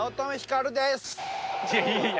いやいやいや。